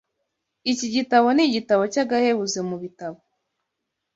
Iki gitabo ni igitabo cy’agahebuzo mu bitabo